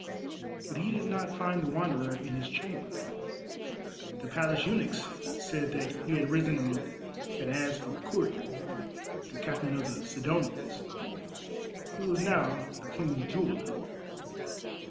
But he did not find the Wanderer in his chamber. The Palace eunuchs said that he had risen and had asked for Kurri, the Captain of the Sidonians, who was now the Queen's Jeweller.